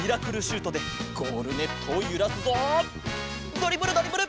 ドリブルドリブル